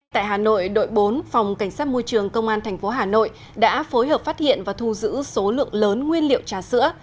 tại hà nội đội bốn phòng cảnh sát môi trường công an tp hà nội đã phối hợp phát hiện và thu giữ số lượng lớn nguyên liệu trà sữa